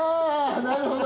なるほど。